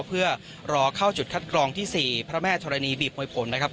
เพื่อรอเข้าจุดคัดกรองที่๔พระแม่ธรณีบีบมวยผมนะครับ